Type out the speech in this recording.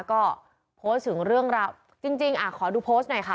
ก็โพสต์ถึงเรื่องราวจริงอ่ะขอดูโพสต์หน่อยค่ะ